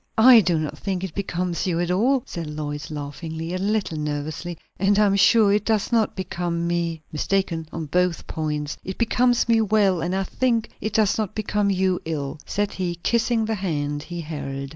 "I do not think it becomes you at all," said Lois, laughing a little nervously, "and I am sure it does not become me." "Mistaken on both points! It becomes me well, and I think it does not become you ill," said he, kissing the hand he held.